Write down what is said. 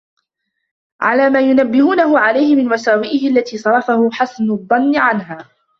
عَلَى مَا يُنَبِّهُونَهُ عَلَيْهِ مِنْ مَسَاوِئِهِ الَّتِي صَرَفَهُ حَسَنُ الظَّنِّ عَنْهَا